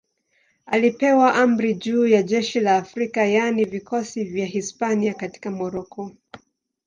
Alipewa amri juu ya jeshi la Afrika, yaani vikosi vya Hispania katika Moroko.